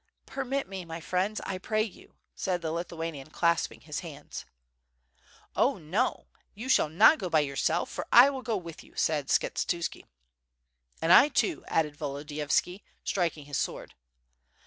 "Permit me, my friends, I pray you," said the Lithuanian, clasping his hands. "Oh, no! you shall not go by yourself, for I will go with you," said Skshetuski. "And T, too," added Volodiyovski, striking his sword.